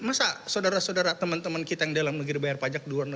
masa saudara saudara teman teman kita yang dalam negeri bayar pajak